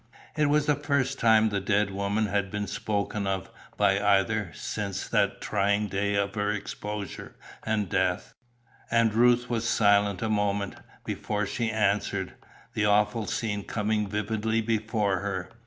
It was the first time the dead woman had been spoken of, by either, since that trying day of her exposure and death, and Ruth was silent a moment, before she answered; the awful scene coming vividly before her.